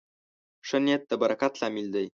ښه نیت د برکت لامل دی.